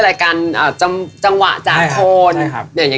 อย่างนี้คิดค่ะ